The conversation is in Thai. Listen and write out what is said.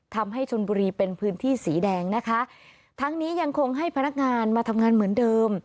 ทำให้ชนบุรีเป็นพื้นที่สีแดงนะคะทั้งนี้ยังคงให้พนักงานมาทำงานเหมือนเดิม